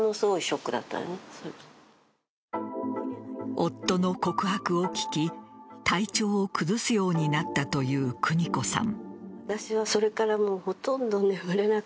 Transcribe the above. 夫の告白を聞き体調を崩すようになったというくに子さん。